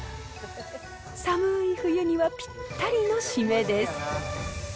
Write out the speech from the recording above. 寒ーい冬にはぴったりの締めです。